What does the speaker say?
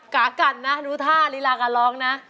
กากันนะดูท่าลีลาการร้องนะ